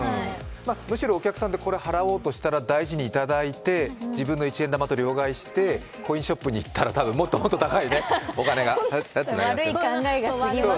むしろお客さん、これを払おうとしたら、大事にいただいて自分の一円玉と両替して、コインショップに行ったら、もっともっと高いお金になりますよね。